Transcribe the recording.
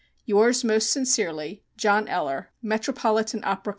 Yours most sincerely, JOHN ELLER, Metropolitan Opera Co.